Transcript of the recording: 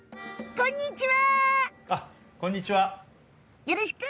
こんにちは！